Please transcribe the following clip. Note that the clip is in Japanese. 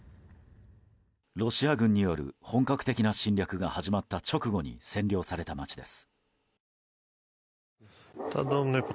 ロシア軍による本格的な侵略が始まった直後に占領された町です。